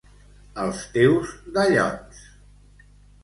Els teus dallons!